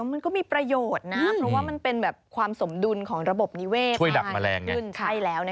มันก็มีประโยชน์นะเพราะว่ามันเป็นความสมดุลของระบบนิเวศมากขึ้น